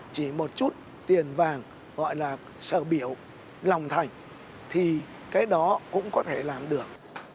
chỉ một chút tiền vàng gọi là sờ biểu lòng thành thì cái đó cũng có thể làm được